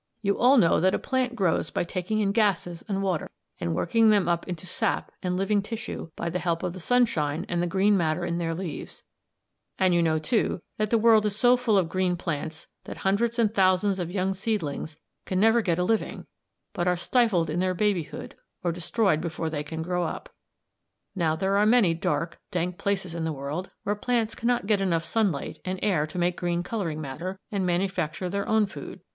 You all know that a plant grows by taking in gases and water, and working them up into sap and living tissue by the help of the sunshine and the green matter in their leaves; and you know, too, that the world is so full of green plants that hundreds and thousands of young seedlings can never get a living, but are stifled in their babyhood or destroyed before they can grow up. "Now there are many dark, dank places in the world where plants cannot get enough sunlight and air to make green colouring matter and manufacture their own food.